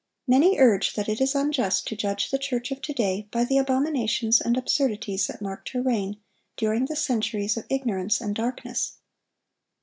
Many urge that it is unjust to judge the church of to day by the abominations and absurdities that marked her reign during the centuries of ignorance and darkness.